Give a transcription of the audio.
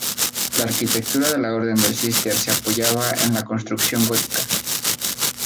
La arquitectura de la Orden del Císter se apoyaba en la construcción gótica.